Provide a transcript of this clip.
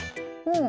うん。